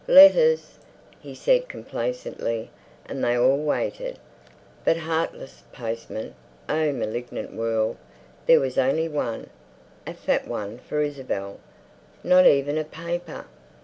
"Letters," he said complacently, and they all waited. But, heartless postman—O malignant world! There was only one, a fat one for Isabel. Not even a paper.